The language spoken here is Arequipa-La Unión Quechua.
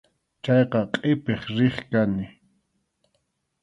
Chayqa qʼipiq riq kani.